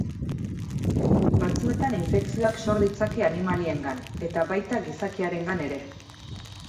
Batzuetan infekzioak sor ditzake animaliengan, eta baita gizakiarengan ere.